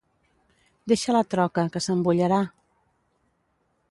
Deixa la troca, que s'embullarà!